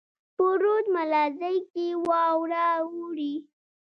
په رود ملازۍ کښي واوره اوري.